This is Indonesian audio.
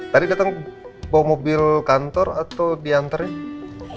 tadi datang bawa mobil kantor atau diantar ya